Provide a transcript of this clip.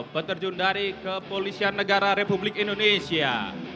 penterjun dari kepolisian negara republik indonesia